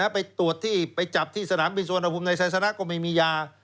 ไปตรวจที่ไปจับที่สนามบินสุวรรณภูมิในไซสนะก็ไม่มียา